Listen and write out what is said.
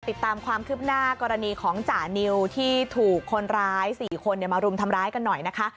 ติดตามความคืบหน้ากรณีของจ่านิวที่ถูกคนร้าย๔คนมารุมทำร้ายกันหน่อยนะคะ